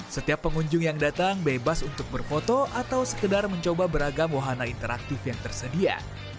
setiap pengunjung yang datang bebas untuk berfoto atau sekedar mencoba beragam wahana interaktif yang tersedia